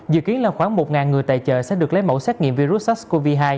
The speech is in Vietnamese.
dự kiến là khoảng một người tại chợ sẽ được lấy mẫu xét nghiệm virus sars cov hai